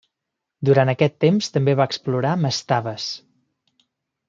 Durant aquest temps també va explorar mastabes.